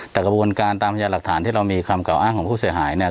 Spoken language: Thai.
แต่กระบวนการตามพยานหลักฐานที่เรามีคำกล่าอ้างของผู้เสียหายเนี่ย